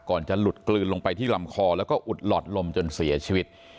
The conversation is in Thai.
จะหลุดกลืนลงไปที่ลำคอแล้วก็อุดหลอดลมจนเสียชีวิต